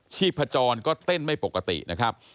ชีพจรก็เต้นไม่ปกตินะครับ